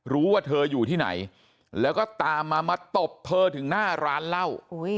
รู้ว่าเธออยู่ที่ไหนแล้วก็ตามมามาตบเธอถึงหน้าร้านเหล้า